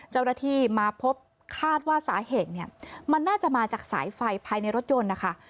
เจ้าหน้าที่มาพบคาดว่าสาเหตุเนี่ยมันน่าจะมาจากสายไฟภายในรถยนต์นะคะ